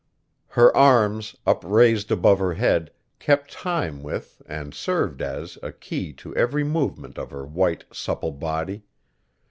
Her arms, upraised above her head, kept time with and served as a key to every movement of her white, supple body.